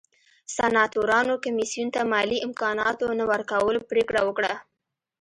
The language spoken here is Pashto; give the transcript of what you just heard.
سناتورانو کمېسیون ته مالي امکاناتو نه ورکولو پرېکړه وکړه